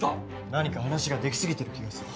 何か話ができすぎてる気がする。